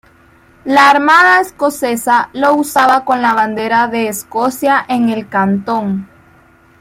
La armada escocesa lo usaba con la bandera de Escocia en el cantón.